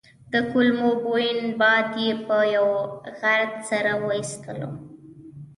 د کولمو بوین باد یې په یوه غرت سره وايستلو.